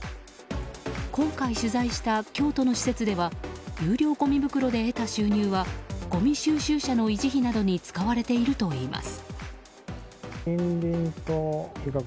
今回取材した京都の施設では有料ごみ袋で得た収入はごみ収集車の維持費などに使われているといいます。